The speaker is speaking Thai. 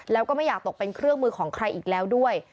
แล้วก็ไม่อยากตกเป็นเครื่องมือของใครอีกแล้วด้วย